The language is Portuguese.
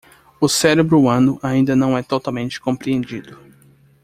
O cérebro humano ainda não é totalmente compreendido.